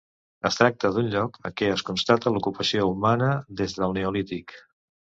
Es tracta d'un lloc en què es constata l'ocupació humana des del neolític.